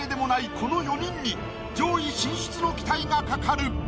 この４人に上位進出の期待がかかる。